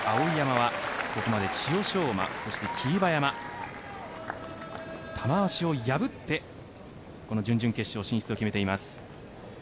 碧山はここまで千代翔馬、そして霧馬山玉鷲を破ってこの準々決勝進出を決めています。